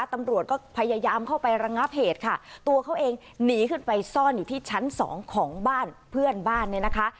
ตำรวจก็พยายามเข้าไประงับเหตุค่ะตัวเขาเองหนีขึ้นไปซ่อนอยู่ที่ชั้นสองของบ้านเพื่อนบ้านเนี่ยนะคะ